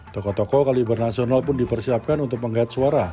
tokoh tokoh kaliber nasional pun dipersiapkan untuk mengait suara